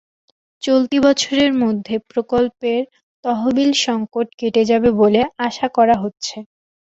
চলতি বছরের মধ্যে প্রকল্পের তহবিলসংকট কেটে যাবে বলে আশা করা হচ্ছে।